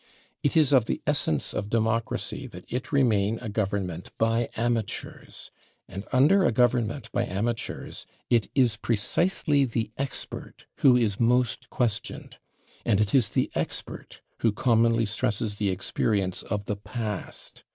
It is of the essence of democracy that it remain a government by amateurs, and under a government by amateurs it is precisely the expert who is most questioned and it is the expert [Pg141] who commonly stresses the experience of the past.